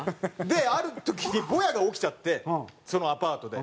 ある時にぼやが起きちゃってそのアパートで。